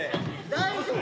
大丈夫？